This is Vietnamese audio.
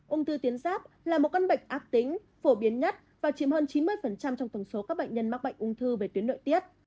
ung thư tuyến giáp là một căn bệnh ác tính phổ biến nhất và chiếm hơn chín mươi trong tổng số các bệnh nhân mắc bệnh ung thư về tuyến nội tiết